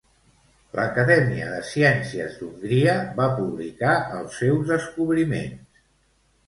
L'Acadèmia de Ciències d'Hongria va publicar els seus descobriments.